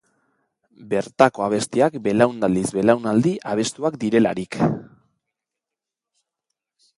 Bertako abestiak belaunaldiz-belaunaldi abestuak direlarik.